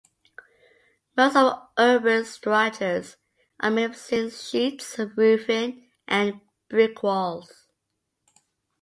Most of the urban structures are made of zinc sheets roofing and brick walls.